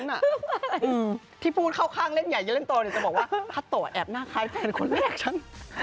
คืออะไรอืมที่พูดเข้าข้างเล่นใหญ่เล่นตัวเนี่ยจะบอกว่าคาโตะแอบหน้าคลายแฟนคนแรกฉัน